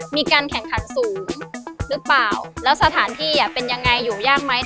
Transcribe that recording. มีการแข่งขันสูงหรือเปล่าแล้วสถานที่เป็นยังไงอยู่ยากไหม